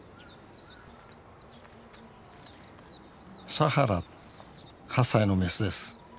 サハラ８歳のメスです。